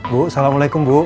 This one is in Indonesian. bu assalamualaikum bu